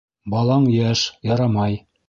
Балаң йәш - ярамай!